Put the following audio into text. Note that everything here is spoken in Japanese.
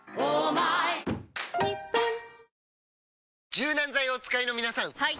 柔軟剤をお使いの皆さんはい！